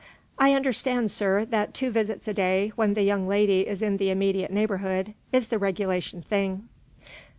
"I understand, sir, that two visits a day, when the young lady is in the immediate neighborhood, is the regulation thing."